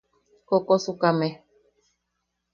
Kokosukame.